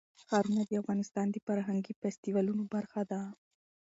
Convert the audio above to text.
ښارونه د افغانستان د فرهنګي فستیوالونو برخه ده.